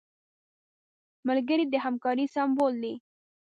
ملګری د همکارۍ سمبول دی